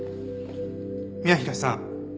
宮平さん